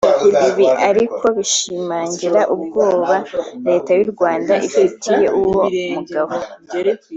Ibi ariko bishimangira ubwoba Leta y’u Rwanda ifitiye uwo mugabo